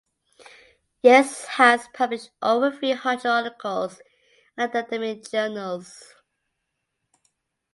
Yates has published over three hundred articles in academic journals.